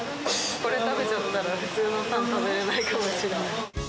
これ食べちゃったら、普通のタン、食べれないかもしれない。